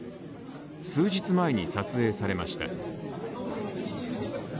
数日前に撮影されました。